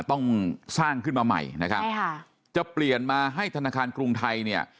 ต้องสร้างขึ้นมาใหม่นะครับใช่ค่ะจะเปลี่ยนมาให้ธนาคารกรุงไทยเนี่ย